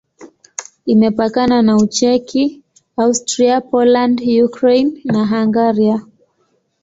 Imepakana na Ucheki, Austria, Poland, Ukraine na Hungaria.